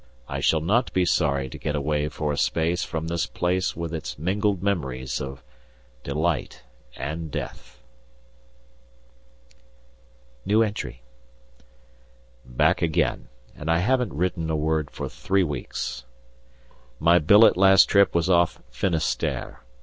I shall not be sorry to get away for a space from this place with its mingled memories of delight and death. Back again, and I haven't written a word for three weeks. My billet last trip was off Finisterre.